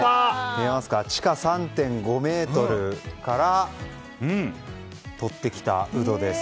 地下３．５ｍからとってきたウドです。